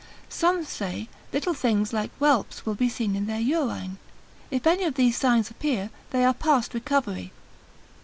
Some say, little things like whelps will be seen in their urine. If any of these signs appear, they are past recovery.